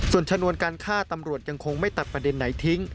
ส่วนชนวนการฆ่าตำรวจยังคงไม่ตัดประเด็นไหนทิ้ง